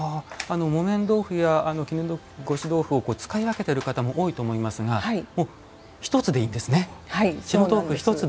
木綿豆腐や絹ごし豆腐を使い分けてる方も多いと思いますがもう１つでいいんですね。